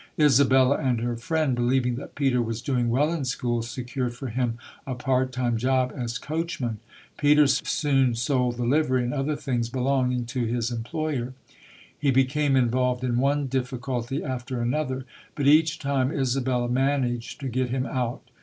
Isabella and her friend, believing that Peter was doing well in school, secured for him a part time job as coachman. Peter soon sold the livery and other things belonging to his employer. He became involved in one difficulty after an other, but each time Isabella managed to get him out.